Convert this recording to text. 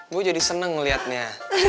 bu jadi seneng ngeliatnya